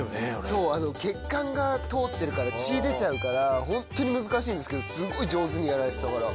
そうあの血管が通ってるから血出ちゃうからホントに難しいんですけどすごい上手にやられてたから。